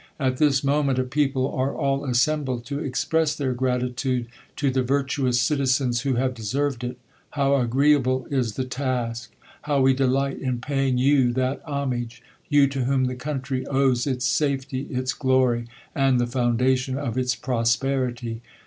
At this moment a people are all assembled to express their gratitude to the virtuous citizens who have de served it. How agreeable is the task! How we delight m paying you that homage ; you to whom the country owes its safety, its glory, and the foundation of its prosperity